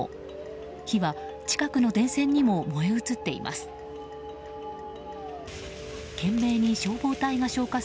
火は近くの電線にも燃え移っています。